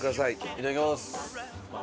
いただきます。